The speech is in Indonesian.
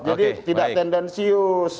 jadi tidak tendensius